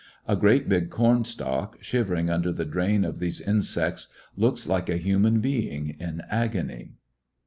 A great big corn stalk, shivering under the drain of these insects, looks like a human being in agony.